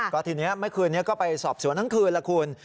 ก็ทีนี้เมื่อคืนนี้ก็ไปสอบสวนทั้งคืนแล้วคุณ